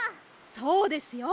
そうですよ。